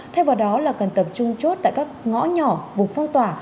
thay vào đó là cần tập trung chốt tại các ngõ nhỏ vùng phong tỏa